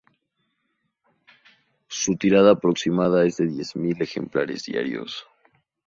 Su tirada aproximada es de diez mil ejemplares diarios.